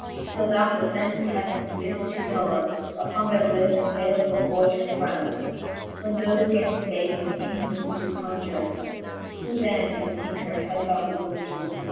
Till that th'offended heavens lift to lowre Upon their blifTe, and balefull fortune frowne. When thofe gainft ftatcs and kingdomes do conjure, Who then can thinke their hedlong ruine to recure